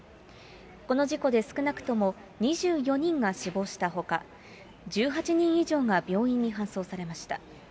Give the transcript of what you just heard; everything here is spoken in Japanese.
この事故で少なくとも２４人が死亡したほか、１８人以上が病院に搬送されました。